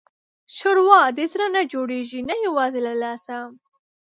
ښوروا د زړه نه جوړېږي، نه یوازې له لاسه.